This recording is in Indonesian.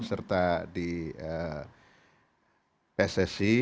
serta di pssi